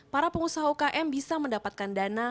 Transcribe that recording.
para pengusaha ukm bisa mendapatkan dana